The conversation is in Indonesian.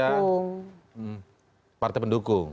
ya kan partai pendukung